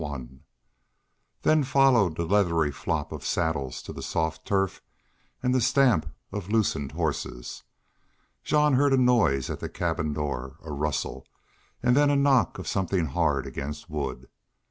CHAPTER XIV Then followed the leathery flop of saddles to the soft turf and the stamp, of loosened horses. Jean heard a noise at the cabin door, a rustle, and then a knock of something hard against wood.